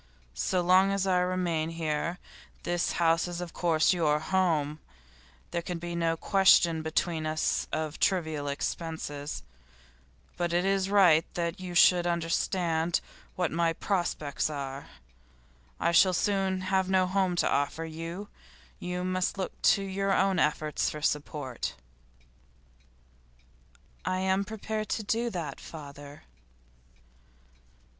So long as I remain here this house is of course your home; there can be no question between us of trivial expenses. But it is right that you should understand what my prospects are. I shall soon have no home to offer you; you must look to your own efforts for support.' 'I am prepared to do that, father.